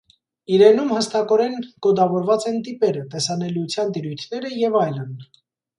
Իրենում հստակորեն կոդավորված են տիպերը, տեսանելիության տիրույթները և այլն։